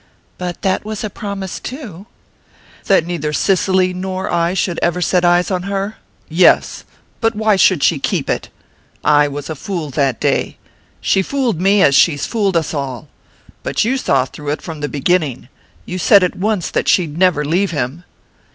"But that was a promise too." "That neither Cicely nor I should ever set eyes on her? Yes. But why should she keep it? I was a fool that day she fooled me as she's fooled us all! But you saw through it from the beginning you said at once that she'd never leave him."